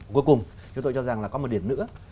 cuối cùng chúng tôi cho rằng là có một điểm nữa